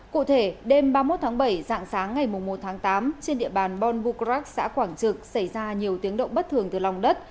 cụ thể đêm ba mươi một tháng bảy dạng sáng ngày một tháng tám trên địa bàn bon bucrac xã quảng trực xảy ra nhiều tiếng động bất thường từ lòng đất